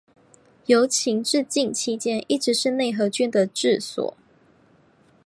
由秦至晋期间一直是河内郡的治所。